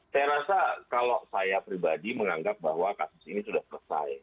saya rasa kalau saya pribadi menganggap bahwa kasus ini sudah selesai